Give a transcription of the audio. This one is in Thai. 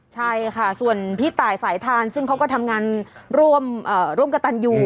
ใช่ค่ะส่วนพี่ตายสายทานซึ่งเขาก็ทำงานร่วมกับตันอยู่